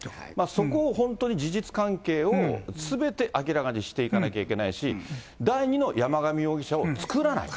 そこを本当に、事実関係を、すべて明らかにしていかなきゃいけないし、第２の山上容疑者を作らない。